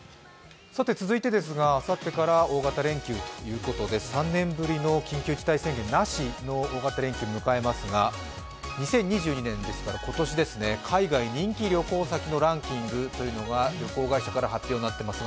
続いてですが、あさってから大型連休ということで、３年ぶりの緊急事態宣言なしの大型連休を迎えますが、２０２２年ですから、今年、海外人気旅行先のランキングが旅行会社から発表になっています。